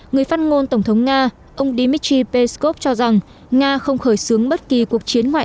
người phát ngôn tổng thống nga ông dmitry peskov cho rằng nga không khởi xướng bất kỳ cuộc chiến ngoại